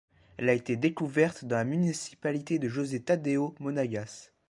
Elle a été découverte dans la municipalité de José Tadeo Monagas.